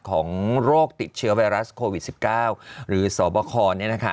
ของโรคติดเชื้อไวรัสโควิด๑๙หรือสคเนี่ยนะคะ